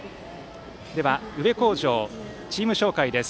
宇部鴻城、チーム紹介です。